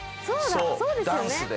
そうですよね。